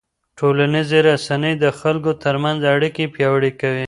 ټولنیزې رسنۍ د خلکو ترمنځ اړیکې پیاوړې کوي.